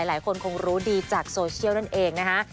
หลายคนคงรู้ดีจากโซเชียลนั่นเองนะคะ